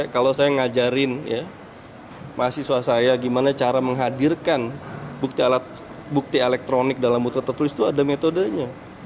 kalau saya ngajarin mahasiswa saya bagaimana cara menghadirkan bukti elektronik dalam bukti tertulis itu ada metodenya